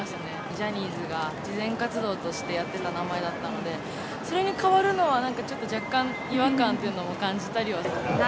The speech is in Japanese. ジャニーズが慈善活動としてやってた名前だったので、それに変わるのは、なんかちょっと若干違和感というのを感じたりは。